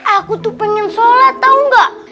aku tuh pengen sholat tau gak